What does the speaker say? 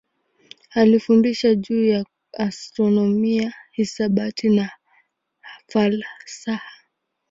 Alifundisha juu ya astronomia, hisabati na falsafa.